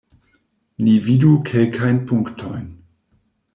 Ni vidu kelkajn punktojn.